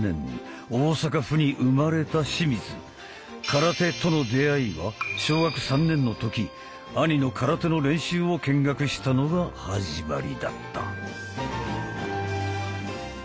空手との出会いは小学３年の時兄の空手の練習を見学したのが始まりだった。